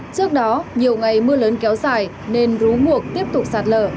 trước đó nhiều ngày mưa lớn kéo xài nên rú ngược tiếp tục sạt lờ